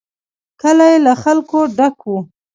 کلی له خلکو ډک و.